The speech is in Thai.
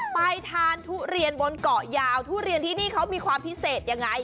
ไปทานทุเรียนบนเกาะยาวทุเรียนที่นี่เขามีความพิเศษยังไง